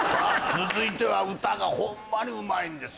続いては歌がホンマにうまいんです